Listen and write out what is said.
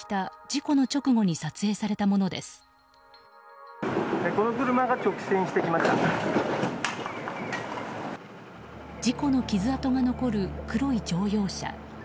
事故の傷跡が残る黒い乗用車。